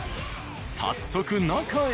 早速中へ。